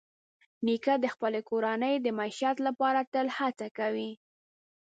نیکه د خپلې کورنۍ د معیشت لپاره تل هڅه کوي.